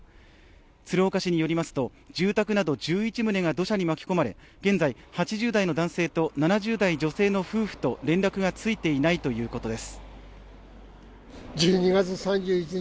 鶴岡市によりますと住宅など１１棟が土砂に巻き込まれ現在、８０代の男性と７０代女性の夫婦と連絡がついていないということです。